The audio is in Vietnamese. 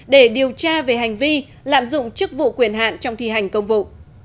để điều tra về hành vi lạm dụng chức vụ quyền hạn trong thi hành công vụ